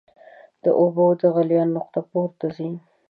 د اوبو د غلیان نقطه پورته ځي.